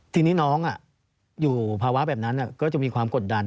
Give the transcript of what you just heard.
ทีนี้น้องอยู่ภาวะแบบนั้นก็จะมีความกดดัน